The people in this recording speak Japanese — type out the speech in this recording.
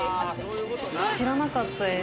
知らなかったです。